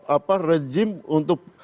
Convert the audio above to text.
apa rejim untuk